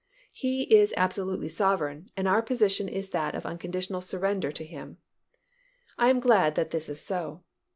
He is absolute sovereign and our position is that of unconditional surrender to Him. I am glad that this is so.